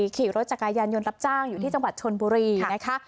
ขี่รถจักรยานยนต์รับจ้างอยู่ที่จังหวัดชนบุรีนะคะ